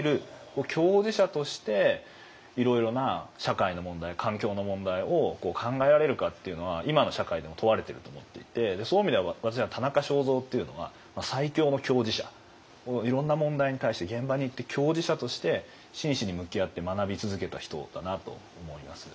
共事者としていろいろな社会の問題環境の問題を考えられるかっていうのは今の社会でも問われていると思っていてそういう意味では私はいろんな問題に対して現場に行って共事者として真摯に向き合って学び続けた人だなと思います。